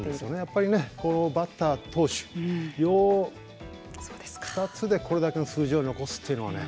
やっぱりバッター、投手２つでこれだけの数字を残すというのはね